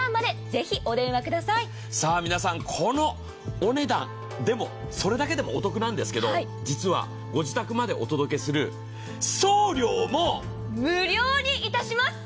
皆さん、このお値段、それだけでもお得なんですが実はご自宅までお届けする送料も無料にいたします。